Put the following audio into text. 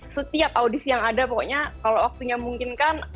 setiap audisi yang ada pokoknya kalau waktunya mungkin kan